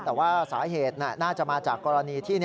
แต่ว่าสาเหตุน่าจะมาจากกรณีที่